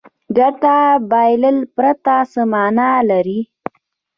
ګټل له بایللو پرته څه معنا لري.